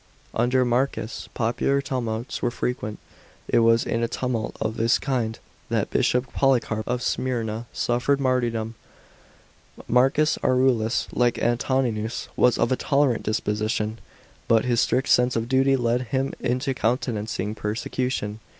Under Marcus, popular tumults were frequent. It was in a tumult of this kind that Bishop Polycarp of Smyrna suffered martyrdom.* Marcus Aurelius, like Antoninus, was of a tolerant disposition, but his strict sense of duty led him into countenancing persecution.